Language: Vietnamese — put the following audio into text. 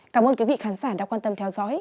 cảm ơn quý vị khán giả đã quan tâm theo dõi